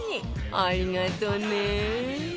ありがとね